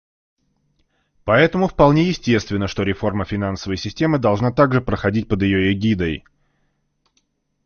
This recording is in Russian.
Поэтому вполне естественно, что реформа финансовой системы должна также проходить под ее эгидой.